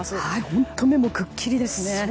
本当、目もくっきりですね。